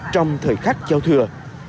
trong thời khắc giao thừa